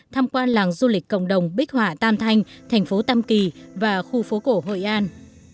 thăm quan làng du lịch cộng đồng bích hỏa tam thanh thành phố tâm kỳ và khu phố cổ hội an